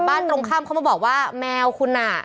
ตรงข้ามเขามาบอกว่าแมวคุณน่ะ